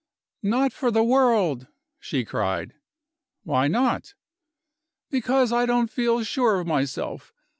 "Not for the world," she cried. "Why not?" "Because I don't feel sure of myself.